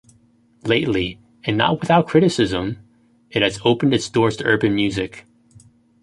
Lately, and not without criticism, it has opened its doors to urban music.